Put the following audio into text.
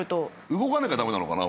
動かなきゃ駄目なのかな